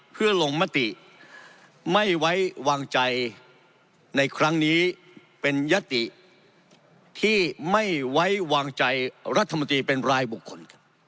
เพื่อลงมติไม่ไว้วางใจในครั้งนี้เป็นยติที่ไม่ไว้วางใจรัฐมนตรีเป็นรายบุคคล